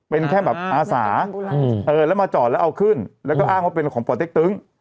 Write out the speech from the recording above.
เป็นแค่แบบอาสาแล้วมาจอดแล้วเอาขึ้นแล้วก็อ้างว่าเป็นของป่อเต็กตึ๊ง